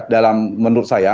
dalam menurut saya